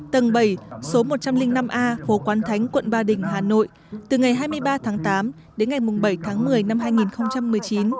tầng bảy số một trăm linh năm a hồ quán thánh quận ba đình hà nội từ ngày hai mươi ba tháng tám đến ngày bảy tháng một mươi năm hai nghìn một mươi chín